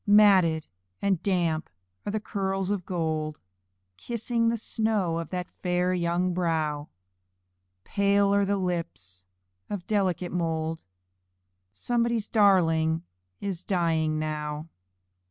Matted and damp are the curls of gold Kissing the snow of that fair young brow, Pale are the lips of delicate mould Somebody's darling is dying now.